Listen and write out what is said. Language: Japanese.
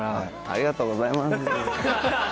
ありがとうございます。